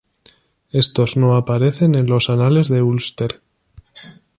Estos no aparecen en los "Anales de Úlster.